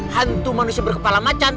hantu manusia berkepala macan